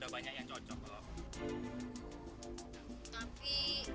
banyak yang cocok tapi